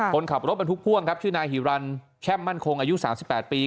คนขับรถบรรทุกพ่วงครับชื่อนายฮิรันแช่มมั่นคงอายุ๓๘ปี